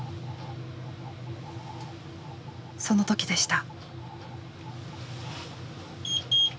その時でした。